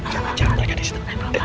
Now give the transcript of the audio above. jangan jangan aja disitu